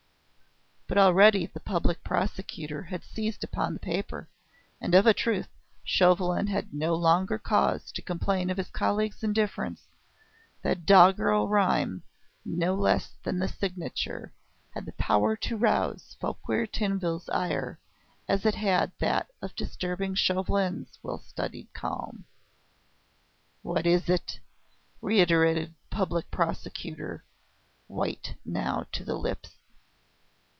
But already the Public Prosecutor had seized upon the paper, and of a truth Chauvelin had no longer cause to complain of his colleague's indifference. That doggerel rhyme, no less than the signature, had the power to rouse Fouquier Tinville's ire, as it had that of disturbing Chauvelin's well studied calm. "What is it?" reiterated the Public Prosecutor, white now to the lips.